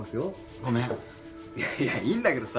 ごめんいやいいんだけどさ